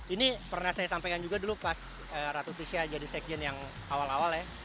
ini pernah saya sampaikan juga dulu pas ratu tisha jadi sekjen yang awal awal ya